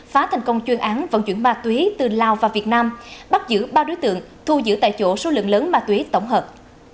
phá thành công chuyên án vận chuyển ma túy từ lào và việt nam bắt giữ ba đối tượng thu giữ tại chỗ số lượng lớn ma túy tổng hợp